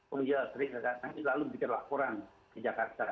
pemerintah indonesia selalu berikan laporan ke jakarta